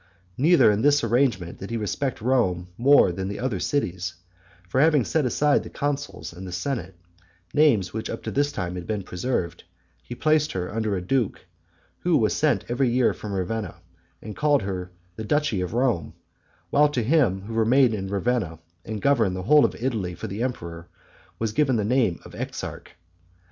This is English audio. Neither in this arrangement did he respect Rome more than the other cities; for having set aside the consuls and senate, names which up to this time had been preserved, he placed her under a duke, who was sent every year from Ravenna, and called her the duchy of Rome; while to him who remained in Ravenna, and governed the whole of Italy for the emperor, was given the name of Exarch.